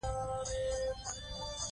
پښتانه تر پردیو زیات ویاړ درلود.